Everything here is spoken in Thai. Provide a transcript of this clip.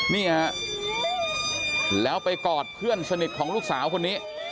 นี่ฮะแล้วไปกอดเพื่อนสนิทของลูกสาวคนนี้